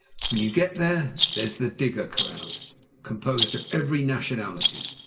When you get there, there's the digger crowd, composed of every nationality.